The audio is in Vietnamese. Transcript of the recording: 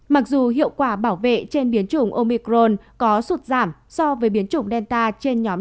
mặc dù hiệu quả bảo vệ trên biến chủng omicron có sụt giảm so với biến chủng delta trên nhóm